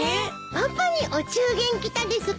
パパにお中元来たですか？